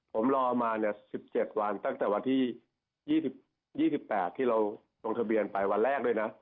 ผมรอมาเนี้ยสิบเจ็ดวันตั้งแต่วันที่ยี่สิบยี่สิบแปดที่เราตรงทะเบียนไปวันแรกด้วยน่ะ